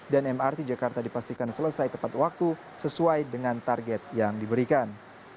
mrt jakarta dipastikan selesai tepat waktu sesuai dengan target yang diberikan